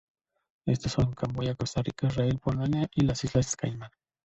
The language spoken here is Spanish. Estos son: Camboya, Costa Rica, Israel, Polonia y las Islas Caimán.